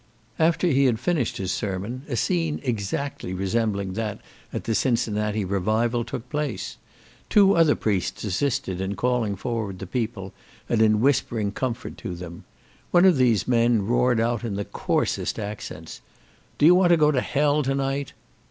After he had finished his sermon, a scene exactly resembling that at the Cincinnati Revival, took place. Two other priests assisted in calling forward the people, and in whispering comfort to them. One of these men roared out in the coarsest accents, "Do you want to go to hell tonight?"